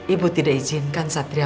ibu tidak izinkan satria